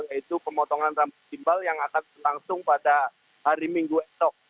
yaitu pemotongan rambut jimbal yang akan berlangsung pada hari minggu esok